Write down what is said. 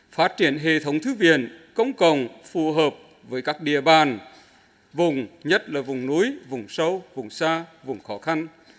phát triển hệ thống thư viện công cộng phù hợp với các địa bàn vùng nhất là vùng núi vùng sâu vùng xa vùng khó khăn